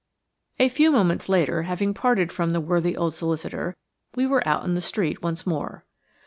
A few moments later, having parted from the worthy old solicitor, we were out in the street once more.